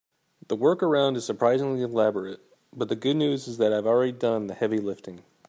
The workaround is surprisingly elaborate, but the good news is I've already done the heavy lifting.